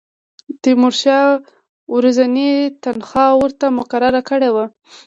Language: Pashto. تیمورشاه ورځنۍ تنخوا ورته مقرره کړې وه.